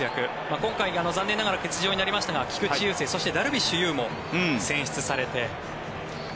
今回、残念ながら欠場になりましたが菊池雄星、そしてダルビッシュ有も選出されて。